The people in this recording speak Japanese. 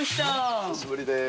お久しぶりです。